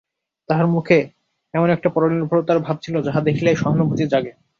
তাঁহার মুখে এমন একটা পরনির্ভরতার ভাব ছিল, যাহা দেখিলেই সহানুভূতি জাগে।